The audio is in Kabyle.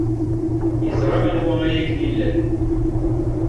Yeẓra anwa ay ken-ilan.